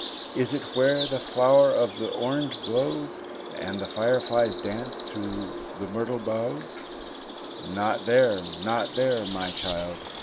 Is it where the flower of the orange blows, And the fireflies dance through the myrtle boughs?" "Not there, not there my child!"